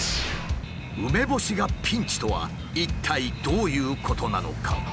梅干しがピンチとは一体どういうことなのか？